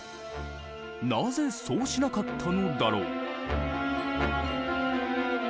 なぜそうしなかったのだろう？